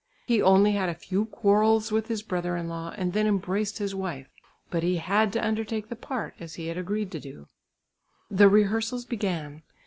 He only had a few quarrels with his brother in law and then embraced his wife. But he had to undertake the part, as he had agreed to do. The rehearsals began.